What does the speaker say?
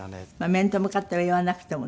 面と向かっては言わなくてもね。